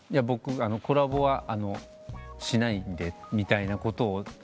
「僕コラボはしないんで」みたいなことを。